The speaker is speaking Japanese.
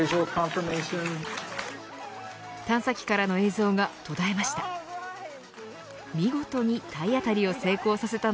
探査機からの映像が途絶えました。